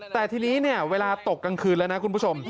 แต่ทีนี้เนี่ยเวลาตกกลางคืนแล้วนะคุณผู้ชม